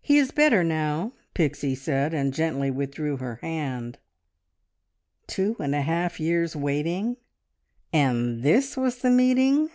"He is better now," Pixie said, and gently withdrew her hand. Two and a half years' waiting, and this was the meeting!